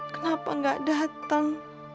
kenapa tidak datang